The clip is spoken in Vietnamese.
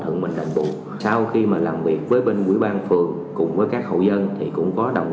thuận mình đền bù sau khi mà làm việc với bên quỹ ban phường cùng với các hậu dân thì cũng có đồng